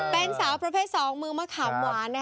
เป็นสาวประเภท๒มือมะขามหวาน